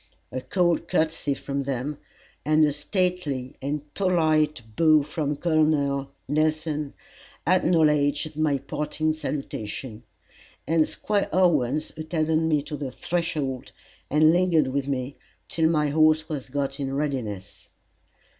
A cold courtesy from them, and a stately and polite bow from Col. Nelson, acknowledged my parting salutation, and Squire Owens attended me to the threshold, and lingered with me till my horse was got in readiness.